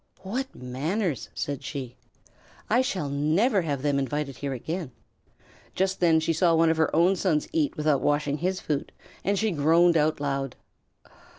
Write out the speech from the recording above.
"What manners!" said she. "I shall never have them invited here again." Just then she saw one of her own sons eat without washing his food, and she groaned out loud.